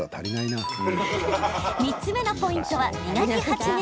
３つ目のポイントは磨き始め。